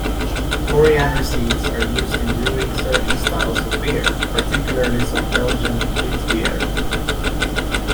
Coriander seeds are used in brewing certain styles of beer, particularly some Belgian Witbier.